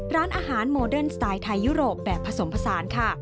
ร้านอาหารโมเดิร์นสไตล์ไทยยุโรปแบบผสมผสานค่ะ